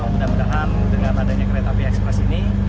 mudah mudahan dengan adanya kereta yia express ini